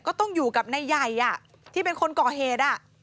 ก็ต้องอยู่กับนายใหญ่ที่เป็นคนก่อเหตุ